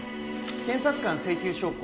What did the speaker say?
検察官請求証拠